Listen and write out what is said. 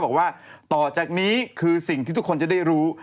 บอกว่าต่อจากนี้คือสิ่งที่ทุกคนจะได้รู้